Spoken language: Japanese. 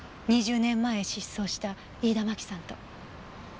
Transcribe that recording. ２０年前失踪した飯田真紀さんと。